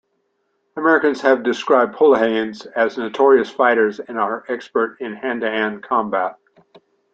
Americans have described Pulahanes as notorious fighters and are experts in hand-to-hand combat.